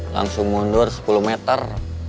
langsung mundur sepuluh meter